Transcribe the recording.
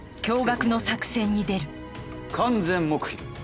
完全黙秘だ！